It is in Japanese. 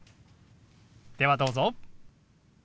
ではどうぞ。